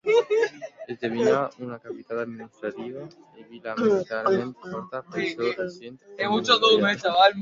Esdevenia una capital administrativa i una vila militarment forta, pel seu recinte emmurallat.